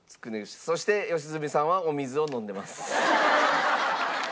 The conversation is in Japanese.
そして良純さんはお水を飲んでます。